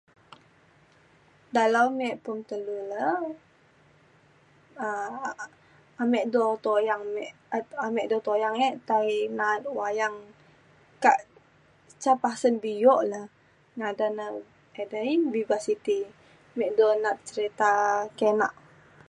dalau me form telu le um a- ame du tuyang me a- ame de tuyang e tai na’at wayang kak ca pasen bio le ngadan ne edei Vivacity. me du na’at cerita kinak.